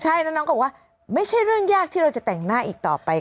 ใช่แล้วน้องก็บอกว่าไม่ใช่เรื่องยากที่เราจะแต่งหน้าอีกต่อไป